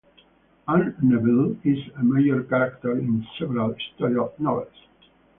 Anne Neville is a major character in several historical novels.